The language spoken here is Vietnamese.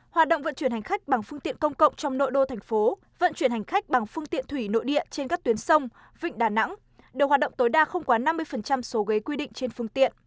hoạt động vận chuyển hành khách bằng phương tiện công cộng trong nội đô thành phố vận chuyển hành khách bằng phương tiện thủy nội địa trên các tuyến sông vịnh đà nẵng đều hoạt động tối đa không quá năm mươi số ghế quy định trên phương tiện